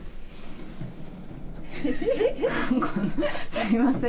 すいません